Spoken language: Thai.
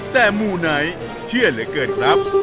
แต่หมู่ไหนเชื่อเหลือเกินครับ